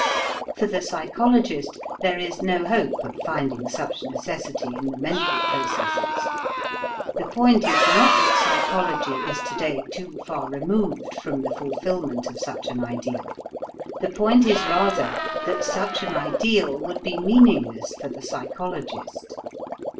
For the psychologist there is no hope of finding such necessity in the mental processes. The point is not that psychology is to day too far removed from the fulfillment of such an ideal, the point is rather that such an ideal would be meaningless for the psychologist.